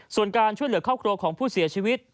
ส่วนการช่วยเหลือครอบครัวของผู้เสียชีวิต